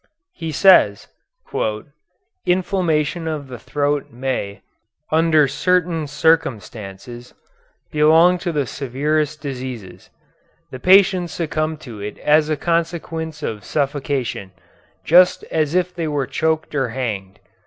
He says, "Inflammation of the throat may, under certain circumstances, belong to the severest diseases. The patients succumb to it as a consequence of suffocation, just as if they were choked or hanged.